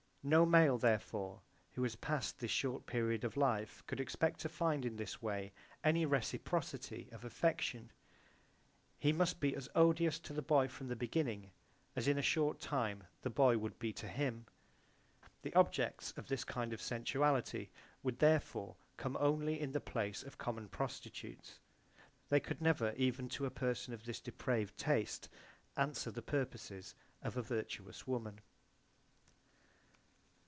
No male therefore who was passed this short period of life could expect to find in this way any reciprocity of affection; he must be as odious to the boy from the beginning as in a short time the boy would be to him. The objects of this kind of sensuality would therefore come only in the place of common prostitutes; they could never even to a person of this depraved taste answer the purposes of a virtuous woman.